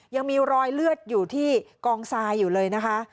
ยังมีรอยเลือดอยู่ที่กองทรายอยู่เลยนะคะ